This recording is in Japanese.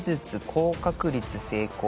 高確率成功の」